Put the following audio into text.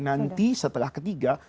nanti setelah ketiga